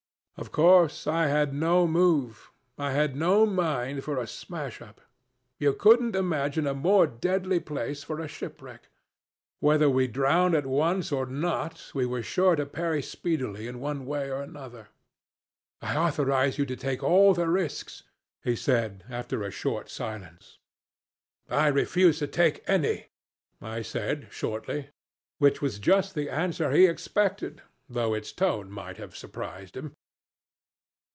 Of course I made no move. I had no mind for a smash up. You couldn't imagine a more deadly place for a shipwreck. Whether drowned at once or not, we were sure to perish speedily in one way or another. 'I authorize you to take all the risks,' he said, after a short silence. 'I refuse to take any,' I said shortly; which was just the answer he expected, though its tone might have surprised him.